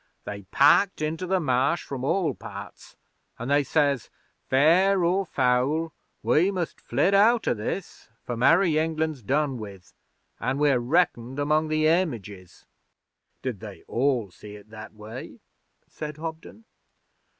They packed into the Marsh from all parts, and they says, "Fair or foul, we must flit out o' this, for Merry England's done with, an' we're reckoned among the Images."' 'Did they all see it that way?' said Hobden.